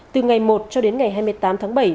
từ ngày một cho đến ngày hai mươi tám tháng bảy